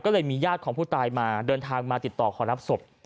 ก็เลยมีญาติของผู้ตายมาเดินทางมาติดต่อขอรับศพ